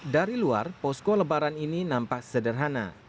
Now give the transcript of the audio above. dari luar posko lebaran ini nampak sederhana